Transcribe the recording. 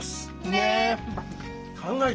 ねえ。